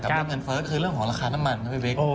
กับเรื่องเงินเฟิร์สคือเรื่องของราคาน้ำมันนะพี่เว็ค